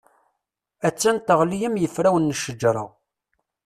A-tt-an teɣli am yifrawen n ccejra.